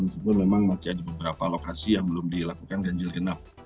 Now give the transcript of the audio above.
meskipun memang masih ada beberapa lokasi yang belum dilakukan ganjil genap